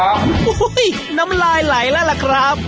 โอ้โหน้ำลายไหลแล้วล่ะครับ